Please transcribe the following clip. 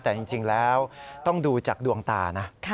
แต่จริงแล้วต้องดูจากดวงตานะ